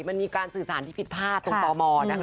มันมีการสื่อสารที่ผิดพลาดตรงตมนะคะ